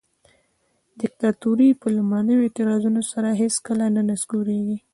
دیکتاتوري په لومړنیو اعتراضونو سره هیڅکله نه نسکوریږي.